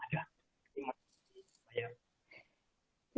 jadi masih diberikan